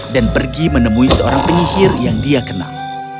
dan pergi menemui seorang penyihir yang dia kenal